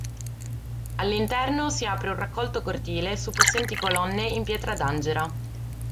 All'interno si apre un raccolto cortile su possenti colonne in pietra d'Angera.